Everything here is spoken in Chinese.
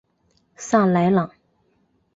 萨莱朗。